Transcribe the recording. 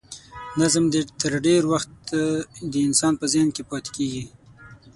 نظم تر ډېر وخت د انسان په ذهن کې پاتې کیږي.